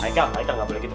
haikal haikal gak boleh gitu